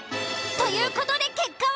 という事で結果は？